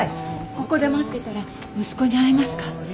ここで待っていたら息子に会えますか？